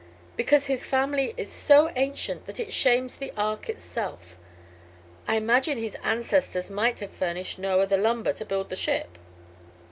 "Because his family is so ancient that it shames the ark itself. I imagine his ancestors might have furnished Noah the lumber to build his ship.